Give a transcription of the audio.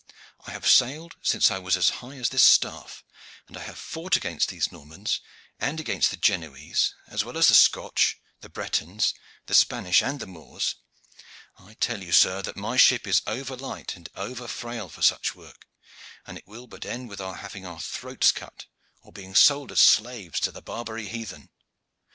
I have sailed since I was as high as this staff, and I have fought against these Normans and against the Genoese, as well as the Scotch, the Bretons, the Spanish, and the Moors. I tell you, sir, that my ship is over light and over frail for such work, and it will but end in our having our throats cut, or being sold as slaves to the Barbary heathen."